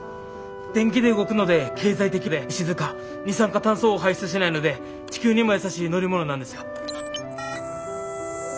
電気で動くので経済的で静か二酸化炭素を排出しないので地球にも優しい乗り物なんですよ。